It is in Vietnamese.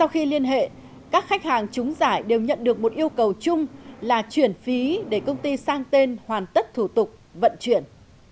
liên hệ các khách hàng chúng giải đều nhận được một yêu cầu chung là chuyển phí để công ty sang tên hoàn tất thủ tục vận chuyển